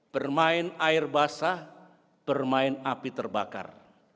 bermain air basah bermain api terbakar